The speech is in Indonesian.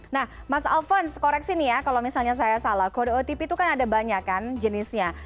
nah mas alphonse koreksi nih ya kalau misalnya saya salah kode otp itu kan ada banyak kan jenisnya